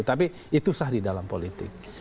tapi itu sah di dalam politik